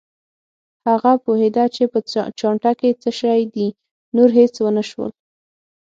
هغه پوهېده چې په چانټه کې څه شي دي، نور هېڅ ونه شول.